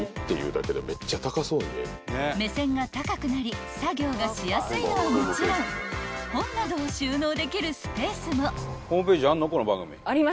［目線が高くなり作業がしやすいのはもちろん本などを収納できるスペースも］